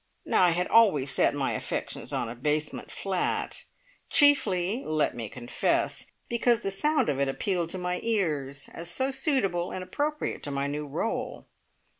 Now I had always set my affections on a basement flat, chiefly let me confess because the sound of it appealed to my ears as so suitable and appropriate to my new role.